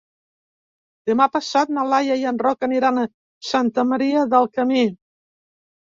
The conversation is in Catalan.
Demà passat na Laia i en Roc aniran a Santa Maria del Camí.